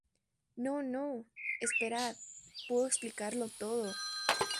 No, no, esperad. Puedo explicarlo todo.